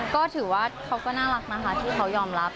ก็ถือว่าเขาก็น่ารักนะคะที่เขายอมรับ